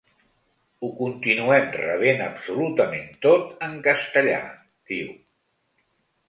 Ho continuem rebent absolutament tot en castellà, diu.